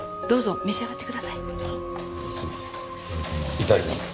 いただきます。